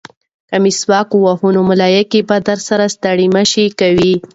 که مسواک ووهې نو ملایکې به درسره ستړې مه شي کوي.